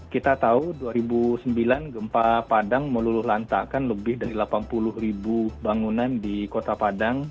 kita tahu dua ribu sembilan gempa padang meluluh lantakan lebih dari delapan puluh ribu bangunan di kota padang